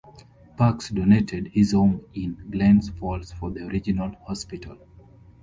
Parks donated his home in Glens Falls for the original hospital.